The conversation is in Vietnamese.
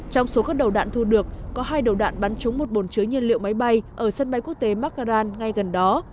trong số các đầu đạn thu được có hai đầu đạn bắn trúng một bồn chứa nhiên liệu máy bay ở sân bay quốc tế markharan ngay gần đó